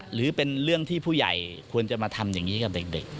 หรือเป็นเรื่องที่ผู้ใหญ่ควรจะมาทำอย่างนี้กับเด็ก